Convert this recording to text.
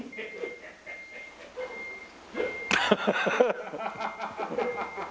ハハハハ！